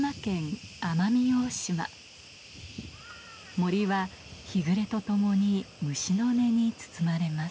森は日暮れとともに虫の音に包まれます